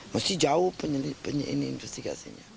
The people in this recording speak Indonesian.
mesti jauh penyelidikan ini investigasinya